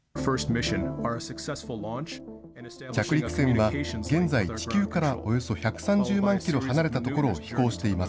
着陸船は、現在、地球からおよそ１３０万キロ離れた所を飛行しています。